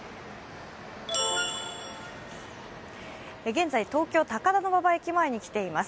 現在、東京・高田馬場駅前に来ています。